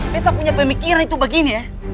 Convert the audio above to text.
kita punya pemikiran itu begini ya